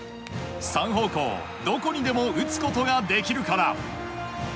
３方向どこにでも打つことができるから。